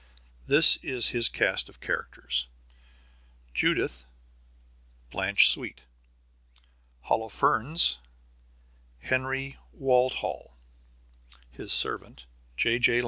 This is his cast of characters: Judith Blanche Sweet Holofernes Henry Walthall His servant J.J.